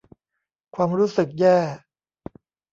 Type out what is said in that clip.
ความรู้สึกแย่